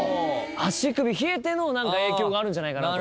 足首冷えての何か影響があるんじゃないかなと。